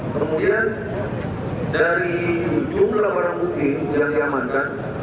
kemudian dari jumlah barang bukti yang diamankan